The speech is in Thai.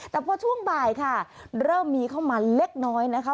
แต่พอช่วงบ่ายค่ะเริ่มมีเข้ามาเล็กน้อยนะคะ